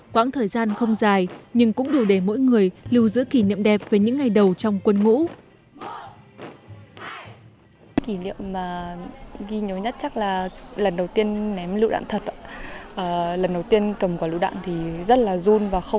quãng thời gian không dài nhưng cũng đủ để mỗi người lưu giữ kỷ niệm đẹp về những ngày đầu trong quân ngũ